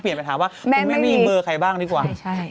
ไปถามว่าคุณแม่ไม่มีเบอร์ใครบ้างดีกว่า